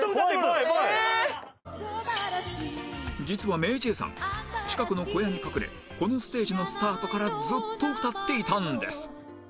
実は ＭａｙＪ． さん近くの小屋に隠れこのステージのスタートからずっと歌っていたんです